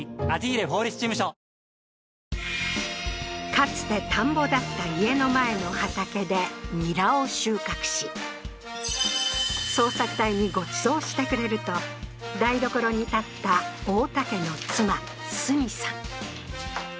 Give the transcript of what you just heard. かつて田んぼだった家の前の畑でニラを収穫し捜索隊にごちそうしてくれると台所に立った太田家の妻澄さん